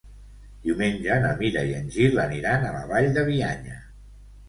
Diumenge na Mira i en Gil aniran a la Vall de Bianya.